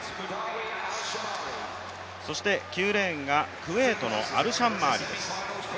そして９レーンがクウェートのアルシャンマーリです。